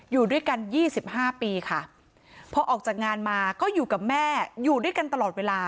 อยู่ด้วยกัน๒๕ปีค่ะพอออกจากงานมาก็อยู่กับแม่อยู่ด้วยกันตลอดเวลา